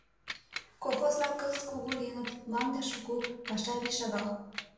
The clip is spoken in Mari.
Колхоз-влак кызыт кугу лийыныт, мланде шуко, паша вий шагал.